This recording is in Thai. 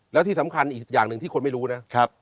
แล้วที่สำคัญอีกอย่างหนึ่งที่คนไม่รู้นะ